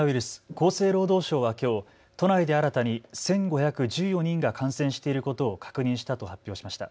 厚生労働省はきょう都内で新たに１５１４人が感染していることを確認したと発表しました。